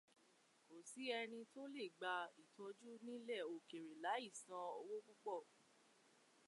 Kò sí ẹni tó le gba ìtọ́jú nílẹ̀ òkèèrè láì san owó púpọ̀